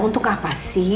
untuk apa sih